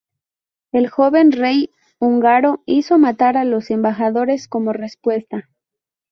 El joven rey húngaro hizo matar a los embajadores como respuesta.